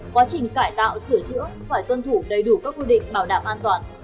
quá trình cải tạo sửa chữa phải tuân thủ đầy đủ các quy định bảo đảm an toàn